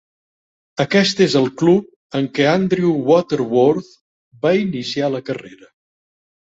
Aquest és el club en què Andrew Waterworth va iniciar la carrera.